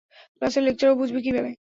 ক্লাসের লেকচার ও বুঝবে কীভাবে?